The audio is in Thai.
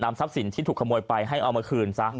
ทรัพย์สินที่ถูกขโมยไปให้เอามาคืนซะ